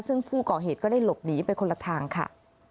ซึ่งผู้ก่อเหตุก็ได้หลบหนีไปคนละทางค่ะ